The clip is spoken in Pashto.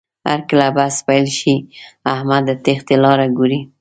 هرکله بحث پیل شي، احمد د تېښتې لاره ګوري.